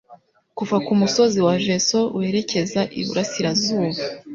kuva ku musozi wa Veso werekeza iburasirazuba